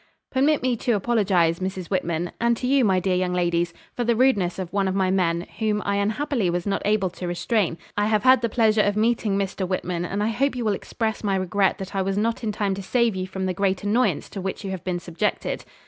'Permit me to apologise, Mrs. Whitman, and to you, my dear young ladies, for the rudeness of one of my men, whom I unhappily was not able to restrain. I have had the pleasure of meeting Mr. Whitman, and I hope you will express my regret that I was not in time to save you from the great annoyance to which you have been subjected.'